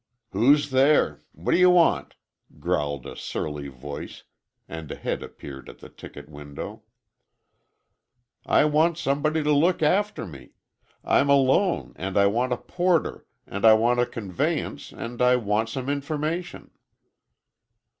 "Who's there? What d'y' want?" growled a surly voice, and a head appeared at the ticket window. "I want somebody to look after me! I'm alone, and I want a porter, and I want a conveyance and I want some information."